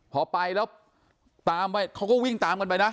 พอไปแล้วตามไปเขาก็วิ่งตามกันไปนะ